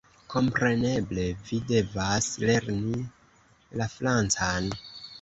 Kompreneble, vi devas lerni la francan!